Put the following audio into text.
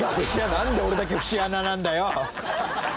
なんで俺だけ節穴なんだよ！